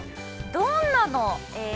◆どんなの？